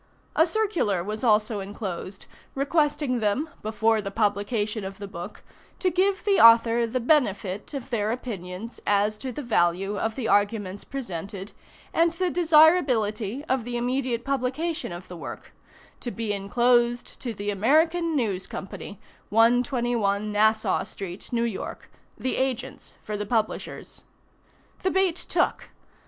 A circular was also enclosed, requesting them, before the publication of the book, to give the author the benefit of their opinions as to the value of the arguments presented, and the desirability of the immediate publication of the work; to be inclosed to the American News Company, 121 Nassau street, New York the agents for the publishers. The bait took.